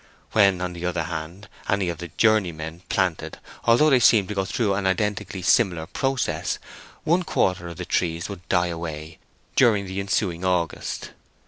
When, on the other hand, any of the journeymen planted, although they seemed to go through an identically similar process, one quarter of the trees would die away during the ensuing August.